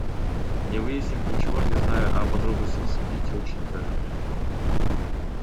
Не выяснив ничего, не зная о подробностях судить очень даже легко.